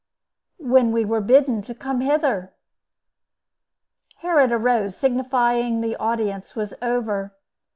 "When we were bidden come hither." Herod arose, signifying the audience was over.